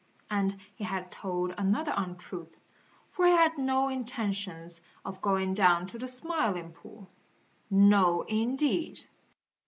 And he had told another untruth, for he had no intention of going down to the Smiling Pool. No, indeed!